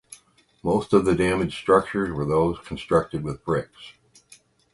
Most of the damaged structures were those constructed with bricks.